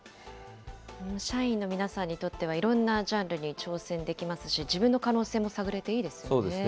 社員の皆さんにとっては、いろんなジャンルに挑戦できますし、自分の可能性も探れていいですよね。